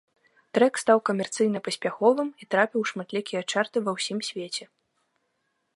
Трэк стаў камерцыйна паспяховым і трапіў у шматлікія чарты ва ўсім свеце.